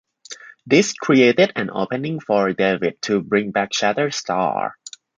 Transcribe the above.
This created an opening for David to bring back Shatterstar.